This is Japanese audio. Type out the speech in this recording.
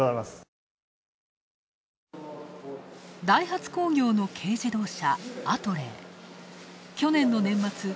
ダイハツ工業の軽自動車、アトレー。